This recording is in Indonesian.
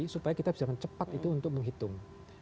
supaya kita bisa cepat untuk menghitung